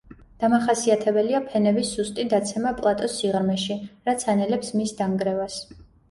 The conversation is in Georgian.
დამახასიათებელია ფენების სუსტი დაცემა პლატოს სიღრმეში, რაც ანელებს მის დანგრევას.